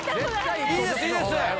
いいですいいです！